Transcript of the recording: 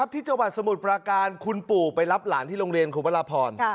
ที่จังหวัดสมุทรปราการคุณปู่ไปรับหลานที่โรงเรียนคุณพระราพร